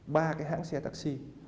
ba cái hãng xe taxi